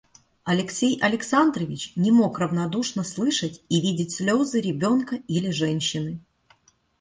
Алексей Александрович не мог равнодушно слышать и видеть слезы ребенка или женщины.